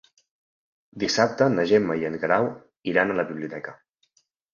Dissabte na Gemma i en Guerau iran a la biblioteca.